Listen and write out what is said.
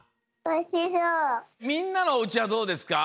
みんなのおうちはどうですか？